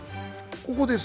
ここです。